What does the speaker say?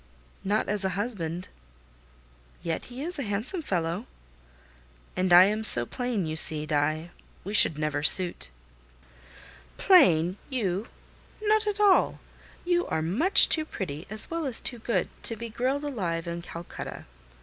"Not as a husband." "Yet he is a handsome fellow." "And I am so plain, you see, Die. We should never suit." "Plain! You? Not at all. You are much too pretty, as well as too good, to be grilled alive in Calcutta."